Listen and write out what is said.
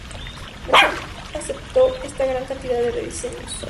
La Short aceptó esta gran cantidad de rediseños.